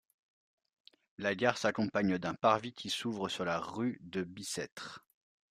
La gare s’accompagne d’un parvis qui s’ouvre sur la rue de Bicêtre.